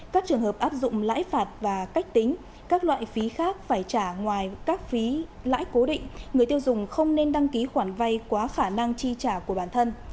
các trường hợp áp dụng lãi phạt và cách tính các loại phí khác phải trả ngoài các phí lãi cố định người tiêu dùng không nên đăng ký khoản vay quá khả năng chi trả của bản thân